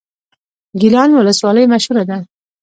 ګیلان ولسوالۍ مشهوره ده؟